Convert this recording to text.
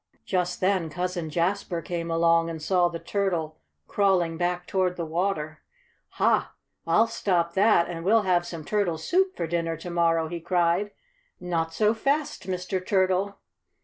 Just then Cousin Jasper came along and saw the turtle crawling back toward the water. "Ha! I'll stop that and we'll have some turtle soup for dinner to morrow!" he cried. "Not so fast, Mr. Turtle!"